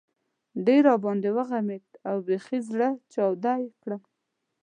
ډېر را باندې وغمېد او بېخي زهره چاودی کړم.